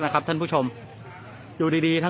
มันก็ไม่ต่างจากที่นี่นะครับ